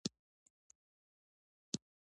کرنیز انقلاب ته تر رسېدو مخکې یواځې سل ډوله پاتې شول.